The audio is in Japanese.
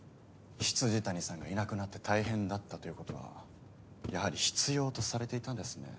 未谷さんがいなくなって大変だったということはやはり必要とされていたんですね